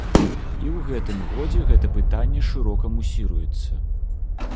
І ў гэтым годзе гэта пытанне шырока мусіруецца.